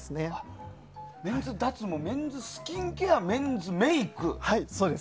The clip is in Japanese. メンズ脱毛、メンズスキンケアメンズメイク。